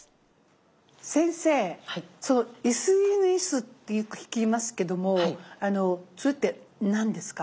先生「ＳＮＳ」ってよく聞きますけどもそれって何ですか？